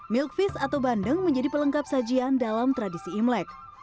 milkfish atau bandeng menjadi pelengkap sajian dalam tradisi imlek